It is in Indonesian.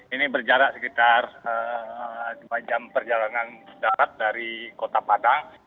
ini berjarak sekitar dua jam perjalanan darat dari kota padang